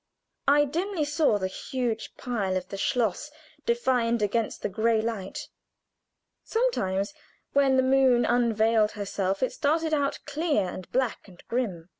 I dimly saw the huge pile of the schloss defined against the gray light; sometimes when the moon unveiled herself it started out clear, and black, and grim.